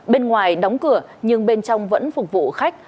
bên ngoài đóng cửa nhưng bên trong vẫn phục vụ khách